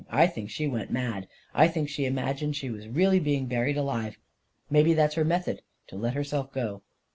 I think she went mad — I think she imag ined she was really being buried alive ; maybe that's her method — to let herself go."